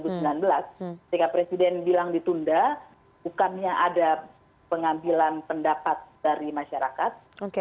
ketika presiden bilang ditunda bukannya ada pengambilan pendapat dari masyarakat